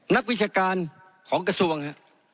นักวิชาการของกระทรวงครับ